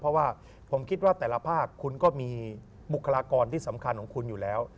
เพราะว่าผมคิดว่าแต่ละภาคคุณก็มีบุคลากรที่สำคัญของคุณอยู่แล้ว